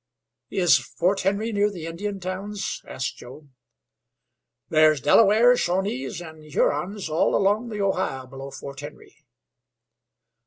"Is Fort Henry near the Indian towns?" asked Joe. "There's Delawares, Shawnees and Hurons all along the Ohio below Fort Henry."